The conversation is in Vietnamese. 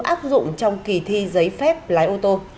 áp dụng trong kỳ thi giấy phép lái ô tô